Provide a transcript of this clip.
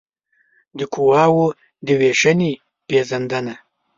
د قواوو د وېشنې پېژندنه